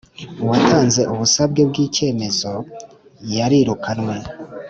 Uwatanze ubusabe bw icyemezo yarirukanwe.